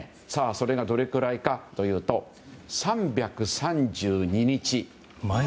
それがどれくらいかというと３３２日。